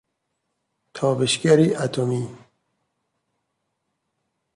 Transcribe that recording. تابشگری اتمی